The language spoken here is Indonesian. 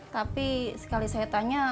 tapi sekali saya tanya